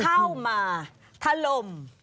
เข้ามาถล่ม